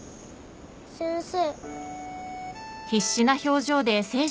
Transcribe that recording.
先生。